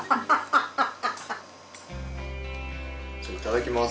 いただきます。